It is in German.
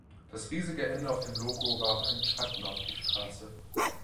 Das riesige N auf dem Logo warf einen Schatten auf die Straße.